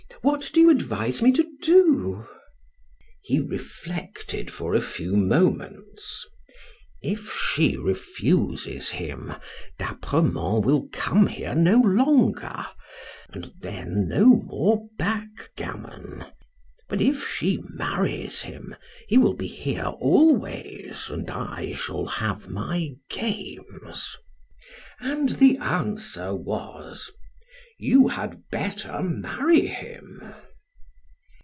What do you advise me to do?" He reflected for a few moments. "If she refuses him, D'Apremont will come here no longer, and then no more backgammon. But if she marries him, he will be here always, and I shall have my games." And the answer was: "You had better marry him."